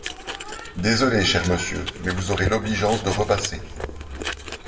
Désolé, cher monsieur, mais vous aurez l’obligeance de repasser…